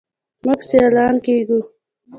موږ سیالان کیږو.